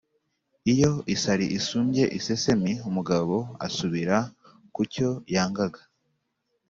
Iyo isari isumbye iseseme, umugabo asubira ku cyo yangaga.